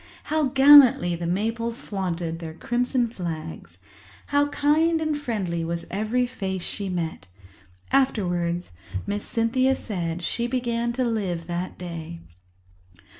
How gallantly the maples flaunted their crimson flags! How kind and friendly was every face she met! Afterwards, Miss Cynthia said she began to live that day.